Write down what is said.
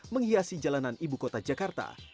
menghiasi jalanan ibu kota jakarta